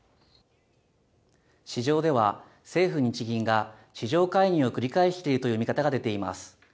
市場では政府・日銀が市場介入を繰り返しているという見方が出ています。